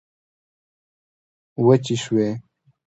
وچي شوې